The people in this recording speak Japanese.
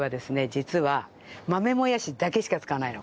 実は豆もやしだけしか使わないの。